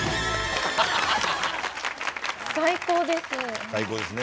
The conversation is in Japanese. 最高ですね。